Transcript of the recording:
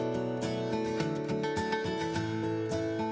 ada yang berpengalaman ada yang berpengalaman